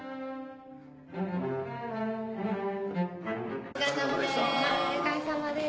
お疲れさまです。